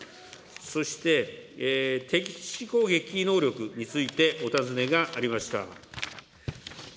そして敵基地攻撃能力についてお尋ねがありました。